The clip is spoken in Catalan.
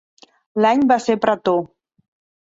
L'any va ser pretor.